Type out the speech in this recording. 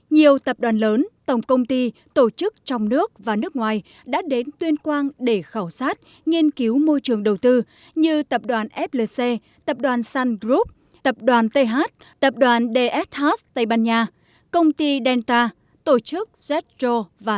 nhiều tập đoàn lớn tổng công ty tổ chức trong nước và nước ngoài đã đến tuyên quang để khảo sát nghiên cứu môi trường đầu tư như tập đoàn flc tập đoàn sun group tập đoàn th tập đoàn dsh tây ban nha công ty delta tổ chức zroov